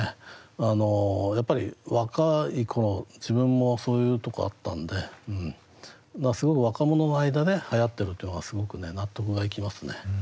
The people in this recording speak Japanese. あのやっぱり若い頃自分もそういうとこあったんですごく若者の間ではやってるというのがすごくね納得がいきますね。